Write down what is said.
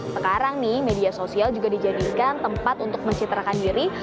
sekarang nih media sosial juga dijadikan tempat untuk mencitrakan diri